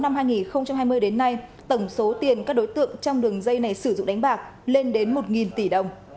năm hai nghìn hai mươi đến nay tổng số tiền các đối tượng trong đường dây này sử dụng đánh bạc lên đến một tỷ đồng